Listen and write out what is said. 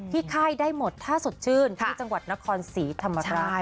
ที่ไข้ได้หมดท่าสดชื่นที่จังหวัดนครศรีธรรมดา